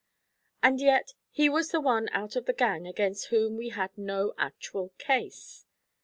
And yet he was the one out of the gang against whom we had no actual case.